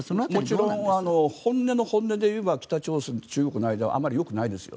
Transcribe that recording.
もちろん本音の本音で言えば北朝鮮と中国の間はあまりよくないですよ。